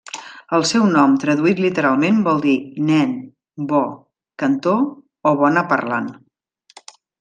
El seu nom traduït literalment vol dir 'nen', 'bo', 'cantor' o 'bona parlant'.